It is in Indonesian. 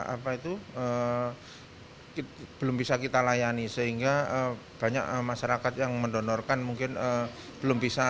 apa itu belum bisa kita layani sehingga banyak masyarakat yang mendonorkan mungkin belum bisa